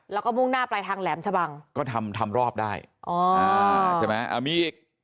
แล้วก็มุ่งหน้าปลายทางแหลมชะบังก็ทำทำรอบได้อ๋ออ่าใช่ไหมอ่ามีอีก